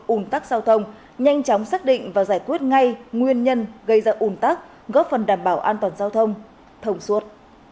ủn tắc giao thông nhanh chóng xác định và giải quyết ngay nguyên nhân gây ra ủn tắc góp phần đảm bảo an toàn giao thông thông suốt